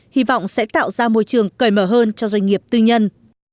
hy vọng sẽ tạo ra môi trường cởi mở hơn cho doanh nghiệp tư nhân